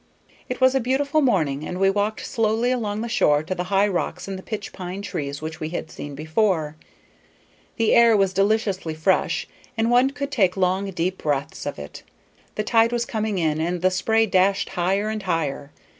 It was a beautiful morning, and we walked slowly along the shore to the high rocks and the pitch pine trees which we had seen before; the air was deliciously fresh, and one could take long deep breaths of it. The tide was coming in, and the spray dashed higher and higher.